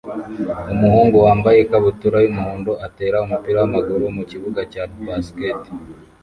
Umuhungu wambaye ikabutura y'umuhondo atera umupira w'amaguru mu kibuga cya basket